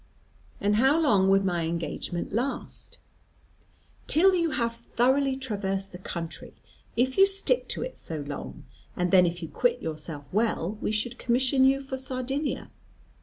"And how long would my engagement last?" "Till you have thoroughly traversed the country, if you stick to it so long; and then if you quit yourself well, we should commission you for Sardinia.